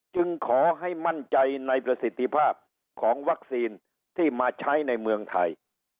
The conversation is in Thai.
จึงขอให้มั่นใจในประสิทธิภาพของวัคซีนที่มาใช้ในเมืองไทย